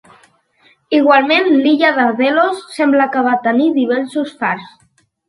Igualment, l'illa de Delos sembla que va tenir diversos fars.